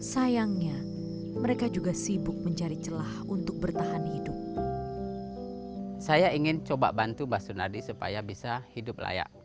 sayangnya mereka juga sibuk mencari celah untuk bertahan hidup